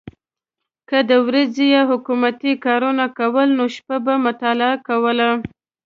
که د ورځې یې حکومتي کارونه کول نو شپه به مطالعه کوله.